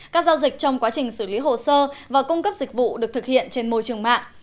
các giao dịch trong quá trình xử lý hồ sơ và cung cấp dịch vụ được thực hiện trên môi trường mạng